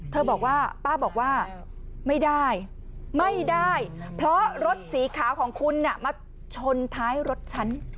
บอกว่าป้าบอกว่าไม่ได้ไม่ได้เพราะรถสีขาวของคุณมาชนท้ายรถฉัน